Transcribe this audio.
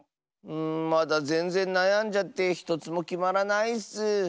うんまだぜんぜんなやんじゃってひとつもきまらないッス。